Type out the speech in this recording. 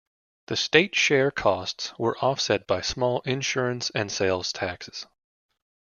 The state share costs were offset by small insurance and sales taxes.